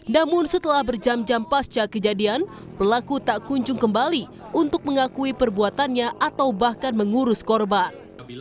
namun setelah berjam jam pasca kejadian pelaku tak kunjung kembali untuk mengakui perbuatannya atau bahkan mengurus korban